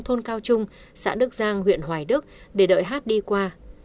thôn cao trung xã đức giang huyện hoài đức để đợi hát đi qua